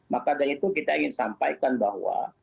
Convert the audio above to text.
maka dari itu kita ingin sampaikan bahwa